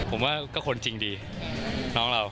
ผมว่าก็คนจริงดีน้องเรา